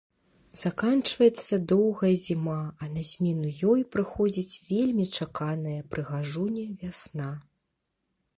Заканчваецца доўгая зіма, а на змену ёй прыходзіць вельмі чаканая прыгажуня-вясна.